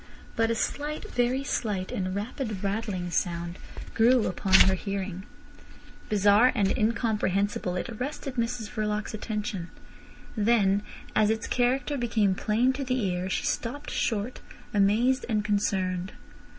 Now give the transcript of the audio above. But a slight, very slight, and rapid rattling sound grew upon her hearing. Bizarre and incomprehensible, it arrested Mrs Verloc's attention. Then as its character became plain to the ear she stopped short, amazed and concerned.